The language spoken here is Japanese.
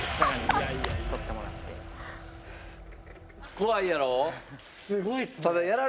怖いやろ？